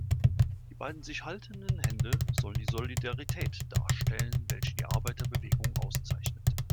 Die beiden sich haltenden Hände soll die Solidarität darstellen, welche die Arbeiterbewegung auszeichnet.